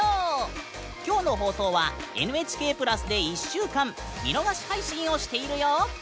今日の放送はＮＨＫプラスで１週間見逃し配信をしているよ！